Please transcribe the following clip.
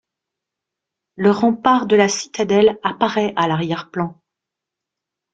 Le rempart de la citadelle apparaît à l'arrière-plan.